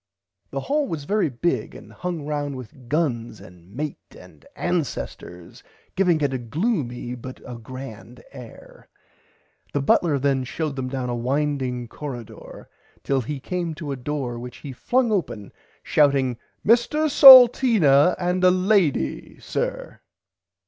The hall was very big and hung round with guns and mate and ancesters giving it a gloomy but a grand air. The butler then showed them down a winding corridoor till he came to a door which he flung open shouting Mr Salteena and a lady sir.